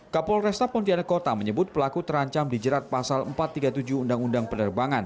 kapolresta pontianak kota menyebut pelaku terancam dijerat pasal empat ratus tiga puluh tujuh undang undang penerbangan